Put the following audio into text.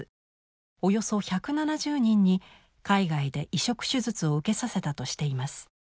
およそ１７０人に海外で移植手術を受けさせたとしています。